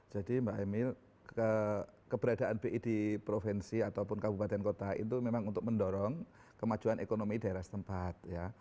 jadi mbak emil keberadaan bi di provinsi ataupun kabupaten kota itu memang untuk mendorong kemajuan ekonomi daerah setempat ya